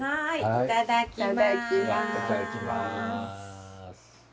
いただきます！